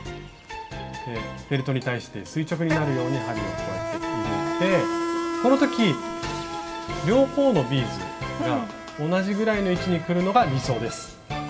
フェルトに対して垂直になるように針をこうやって入れてこの時両方のビーズが同じぐらいの位置にくるのが理想です。